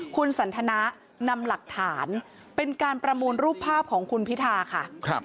คุณสันทนะนำหลักฐานเป็นการประมูลรูปภาพของคุณพิธาค่ะ